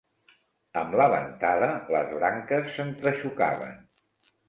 Amb la ventada, les branques s'entrexocaven.